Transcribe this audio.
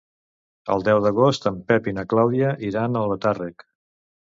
El deu d'agost en Pep i na Clàudia iran a Albatàrrec.